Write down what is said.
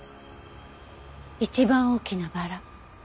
一番大きなバラ。